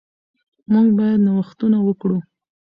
موږ باید نوښتونه وکړو.